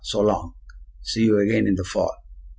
So long! See you again in the fall.'